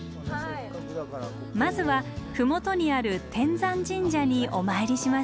まずは麓にある天山神社にお参りしましょう。